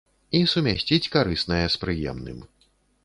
І сумясціць карыснае з прыемным.